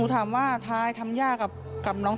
ลูกนั่นแหละที่เป็นคนผิดที่ทำแบบนี้